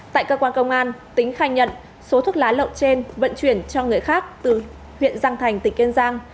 tại cơ quan công an tính khai nhận số thuốc lá lậu trên vận chuyển cho người khác từ huyện giang thành tỉnh kiên giang